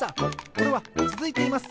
これはつづいています！